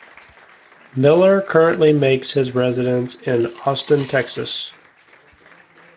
Millar currently makes his residence in Austin, Texas.